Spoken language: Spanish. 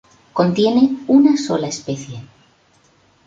Contiene una sola especie.